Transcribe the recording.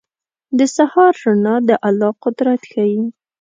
• د سهار رڼا د الله قدرت ښيي.